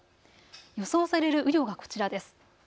予想される雨量がこちらです。